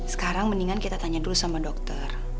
sekarang mendingan kita tanya dulu sama dokter